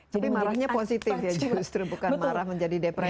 tapi marahnya positif ya justru bukan marah menjadi depresi